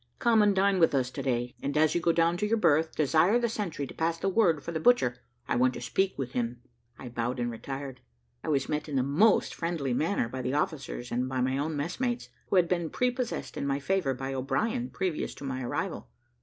Come and dine with us to day: and, as you go down to your berth, desire the sentry to pass the word for the butcher; I want to speak with him." I bowed and retired. I was met in the most friendly manner by the officers and by my own messmates, who had been prepossessed in my favour by O'Brien previous to my arrival.